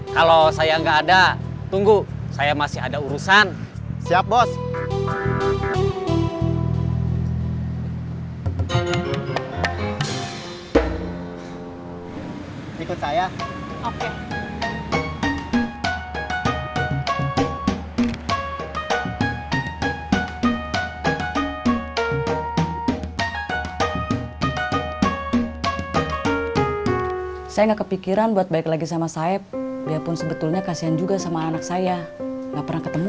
kalau saya gak ada tunggu